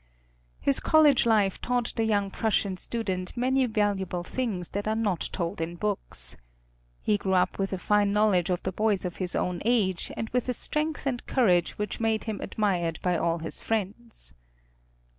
His college life taught the young Prussian student many valuable things that are not told in books. He grew up with a fine knowledge of the boys of his own age, and with a strength and courage which made him admired by all his friends.